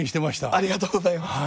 ありがとうございます。